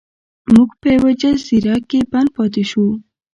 موږ په یوه جزیره کې بند پاتې شو.